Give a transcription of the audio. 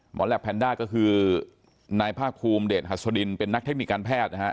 แหลปแพนด้าก็คือนายภาคภูมิเดชหัสดินเป็นนักเทคนิคการแพทย์นะฮะ